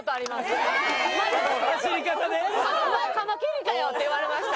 「おまえカマキリかよ！！」って言われました。